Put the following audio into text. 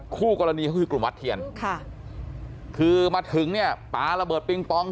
คู่กรณีเขาคือกลุ่มวัดเทียนค่ะคือมาถึงเนี่ยปลาระเบิดปิงปอง